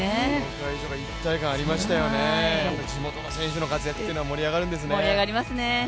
会場、一体感がありましたよね、地元の選手の活躍というのは盛り上がるんですね。